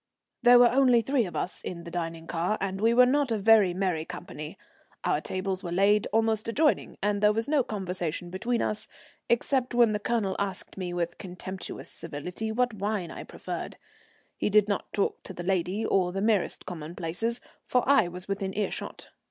There were only three of us in the dining car, and we were not a very merry company. Our tables were laid almost adjoining, and there was no conversation between us, except when the Colonel asked me with contemptuous civility what wine I preferred. He did not talk to the lady, or the merest commonplaces, for I was within earshot.